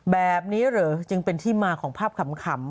แบบนี้เหรอจึงเป็นที่มาของภาพขำ